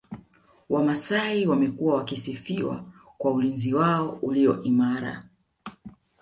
Wamasai wamekuwa wakisifiwa kwa ulinzi wao ulio imara